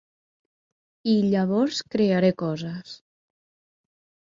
I llavors crearé coses.